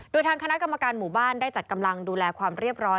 โดยทางคณะกรรมการหมู่บ้านได้จัดกำลังดูแลความเรียบร้อย